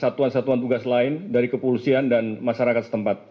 satuan satuan tugas lain dari kepolisian dan masyarakat setempat